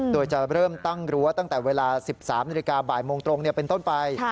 โดยจะเริ่มตั้งรั้วตั้งแต่เวลา๑๓นบตรงเป็นต้นไป